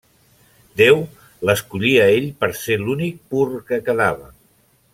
Déu l'escollí a ell per ser l'únic pur que quedava.